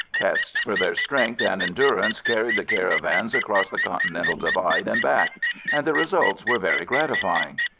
Tests for their strength and endurance carried the caravans across the Continental Divide and back, and the results were very gratifying.